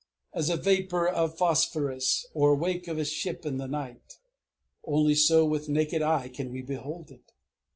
As a vapor of phosphorus, or wake of a ship in the night, only so with naked eye can we behold it.